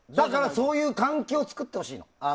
そういう環境を作ってほしい。